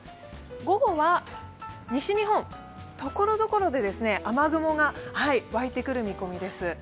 午後は西日本、ところどころで雨雲が湧いてくる見込みです。